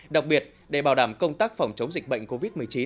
đặc biệt để bảo đảm công tác phòng chống dịch bệnh covid một mươi chín